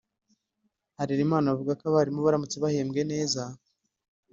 Harerimana avuga ko abarimu baramutse bahembwe neza